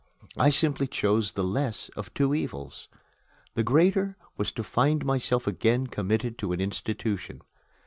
I simply chose the less of two evils. The greater was to find myself again committed to an institution.